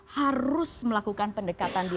harus melakukan pendekatan dia